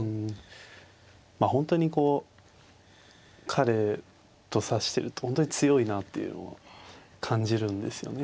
本当にこう彼と指してると本当に強いなっていうのを感じるんですよね。